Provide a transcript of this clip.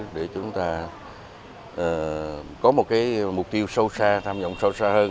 để chúng ta có một mục tiêu sâu xa tham vọng sâu xa hơn